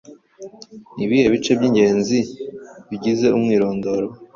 Ni ibihe bice by’ingenzi bigize umwirondoro?